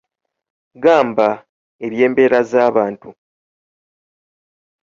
Gamba, eby’embeera z’abantu